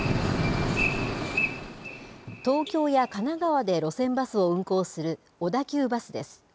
東京や神奈川で路線バスを運行する小田急バスです。